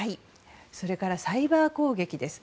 それからサイバー攻撃です。